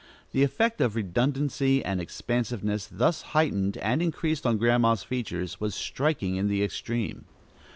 The effect of redundancy and expansiveness thus heightened and increased on Grandma's features was striking in the extreme.